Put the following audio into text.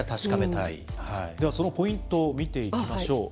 ではそのポイント、見ていきましょう。